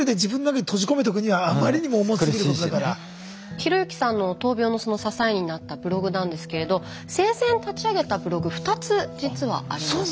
啓之さんの闘病のその支えになったブログなんですけれど生前立ち上げたブログ２つ実はあります。